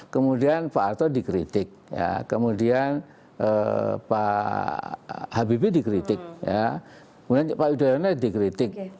kemudian pak arto dikritik kemudian pak habibie dikritik kemudian pak yudhoyono dikritik